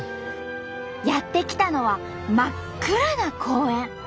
やって来たのは真っ暗な公園。